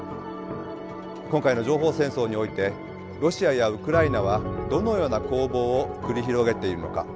今回の情報戦争においてロシアやウクライナはどのような攻防を繰り広げているのか。